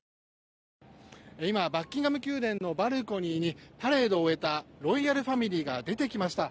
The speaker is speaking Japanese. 今、バッキンガム宮殿のバルコニーにパレードを終えたロイヤルファミリーが出てきました。